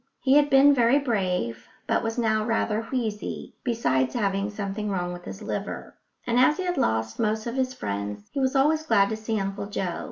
He had been very brave, but was now rather wheezy, besides having something wrong with his liver; and as he had lost most of his friends he was always glad to see Uncle Joe.